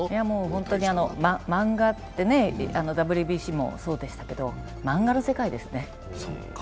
本当に漫画ってね、ＷＢＣもそうですけどホントに漫画の世界ですね。